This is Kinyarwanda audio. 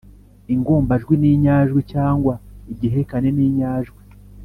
ingombajwi n’inyajwi cyangwa igihekane n’inyajwi